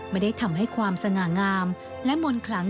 ไม่ได้ทำให้ความสง่างามและมนต์คลัง